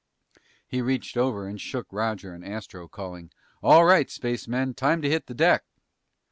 He reached over and shook Roger and Astro, calling, "All right, spacemen, time to hit the deck!"